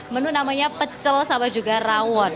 menu namanya pecel sama juga rawon